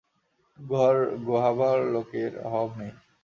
ঘর গোহাবার লোকের অভাব নেই।